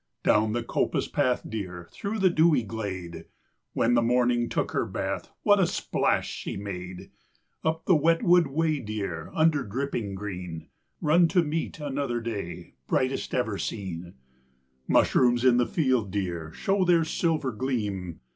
Down the coppice path, dear, Through the dewy glade, (When the Morning took her bath What a splash she made!) Up the wet wood way, dear, Under dripping green Run to meet another day, Brightest ever seen. Mushrooms in the field, dear, Show their silver gleam.